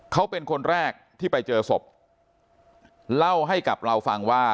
เขาเป็นคนแรกที่ไปเจอศพเล่าให้กับเราฟังว่า